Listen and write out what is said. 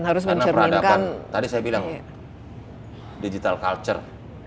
karena peradaban tadi saya bilang digital culture